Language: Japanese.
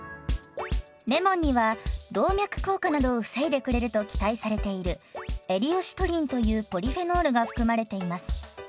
レモンには動脈硬化などを防いでくれると期待されているエリオシトリンというポリフェノールが含まれています。